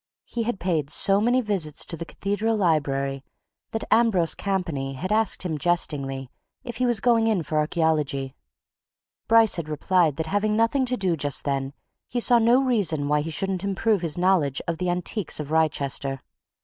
He had paid so many visits to the Cathedral Library that Ambrose Campany had asked him jestingly if he was going in for archaeology; Bryce had replied that having nothing to do just then he saw no reason why he shouldn't improve his knowledge of the antiquities of Wrychester.